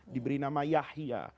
diberi nama yahya